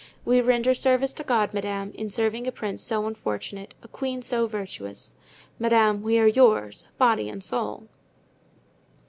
We render service to God, madame, in serving a prince so unfortunate, a queen so virtuous. Madame, we are yours, body and soul."